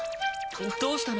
どうしたの？